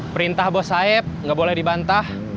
perintah bos saeb gak boleh dibantah